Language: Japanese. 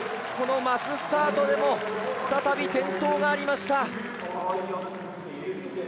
このマススタートでも再び、転倒がありました。